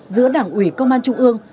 giữa đảng ủy công an trung ương